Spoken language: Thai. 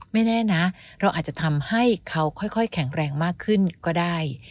แน่นะเราอาจจะทำให้เขาค่อยแข็งแรงมากขึ้นก็ได้